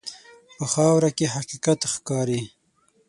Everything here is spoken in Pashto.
په خاوره کې حقیقت ښکاري.